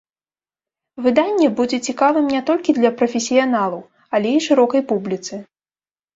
Выданне будзе цікавым не толькі для прафесіяналаў, але і шырокай публіцы.